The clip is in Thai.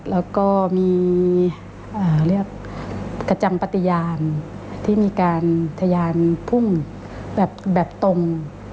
แล้วก็มีกระจังปัตติยานที่มีการทะยานผึ้งแบบตรง